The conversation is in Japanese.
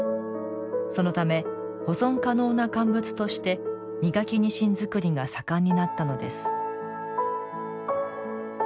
そのため、保存可能な乾物として身欠きにしん作りが盛んになったのです。